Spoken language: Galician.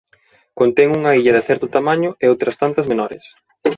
Contén unha illa de certo tamaño e outras tantas menores.